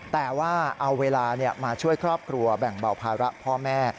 แต่ว่าเอาเวลามาช่วยครอบครัวแบ่งเบาภาระพ่อแม่